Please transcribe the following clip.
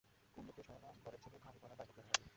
কুন্দকেও সরালাম, পরের ছেলে ঘাড়ে করার দায় থেকেও রেহাই পেলাম।